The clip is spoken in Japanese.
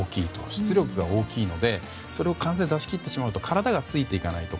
出力が大きいのでそれを完全に出し切ってしまうと体がついていかないと。